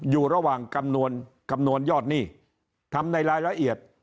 อยู่ระหว่างคำนวณยอดหนี้ทำในรายละเอียด